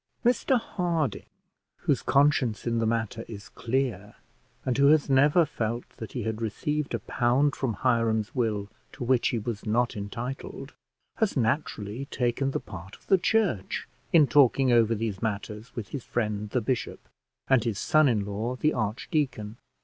Mr Harding, whose conscience in the matter is clear, and who has never felt that he had received a pound from Hiram's will to which he was not entitled, has naturally taken the part of the church in talking over these matters with his friend, the bishop, and his son in law, the archdeacon.